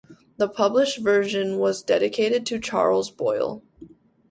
The published version was dedicated to Charles Boyle.